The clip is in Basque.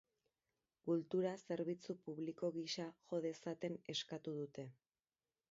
Kultura zerbitzu publiko gisa jo dezatela eskatu dute.